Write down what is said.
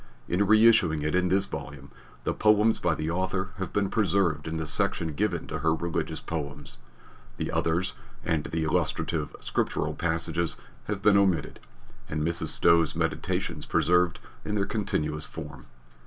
In reissuing it in this volume, the poems by the author have been preserved in the section given to her Religious Poems; the others and the illustrative scriptural passages have been omitted and Mrs. Stowe's Meditations preserved in their continuous form.